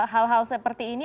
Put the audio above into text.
hal hal seperti ini